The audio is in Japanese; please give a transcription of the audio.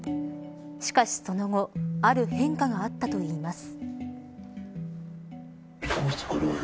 しかしその後ある変化があったといいます。